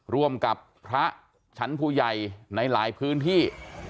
ร่วมกับพระชั้นผู้ใหญ่ในหลายพื้นที่